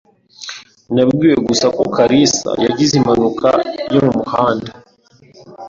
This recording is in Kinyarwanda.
Nabwiwe gusa ko kalisa yagize impanuka yo mu muhanda.